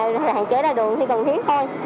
và hạn chế ra đường khi cần thiết thôi